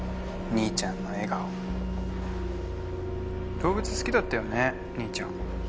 動物好きだったよね兄ちゃん。